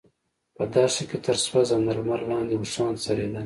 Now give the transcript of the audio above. په دښته کې تر سوځنده لمر لاندې اوښان څرېدل.